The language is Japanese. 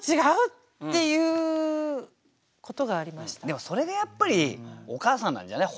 でもそれがやっぱりお母さんなんじゃない？